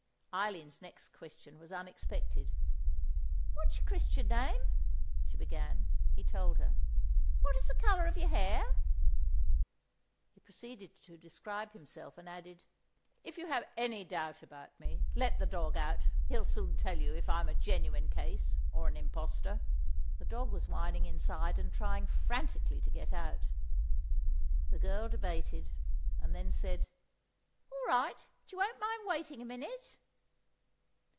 Eileen's next question was unexpected. "What is your Christian name?" she began. He told her. "What is the colour of your hair?" He proceeded to describe himself, and added— "If you have any doubt about me, let the dog out, he'll soon tell you if I'm a genuine case or an impostor." The dog was whining inside, and trying frantically to get out. The girl debated, and then said— "All right; but you won't mind waiting a minute?"